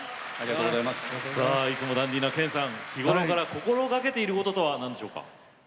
いつもダンディーな剣さん日ごろから心がけていることとはなんでしょうか？